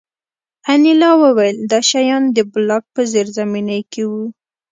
انیلا وویل دا شیان د بلاک په زیرزمینۍ کې وو